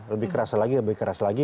lebih kerasa lagi lebih keras lagi